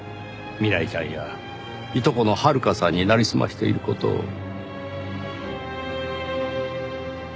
未来ちゃんやいとこの遥香さんになりすましている事を。